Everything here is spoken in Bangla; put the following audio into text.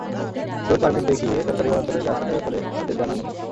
জোট পারমিট দেখিয়ে সরকারি বনাঞ্চলের গাছ কাটার ব্যাপারে তাঁদের জানা নেই।